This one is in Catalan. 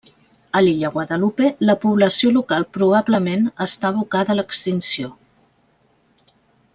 A l'illa Guadalupe, la població local probablement està abocada a l'extinció.